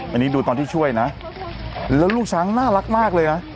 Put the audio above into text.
อันนี้ดูตอนที่ช่วยนะแล้วลูกช้างน่ารักมากเลยนะ